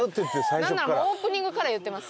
なんならオープニングから言ってます